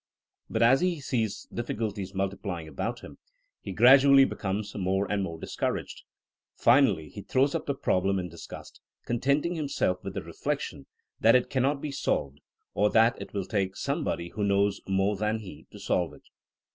But as he sees diffi culties multiplying about him, he gradually be comes more and more discouraged. Finally he throws up the problem in disgust, contenting himself with the reflection that it cannot be solved, or that it will take somebody who knows more thaa he to solve it.